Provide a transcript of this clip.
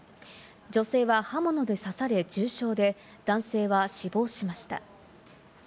女性は刃物で刺され重傷で、男性は死亡しました。